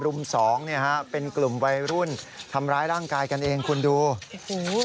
๑๐รุ่ม๒เป็นกลุ่มวัยรุ่นทำร้ายร่างกายกันเองคุณดู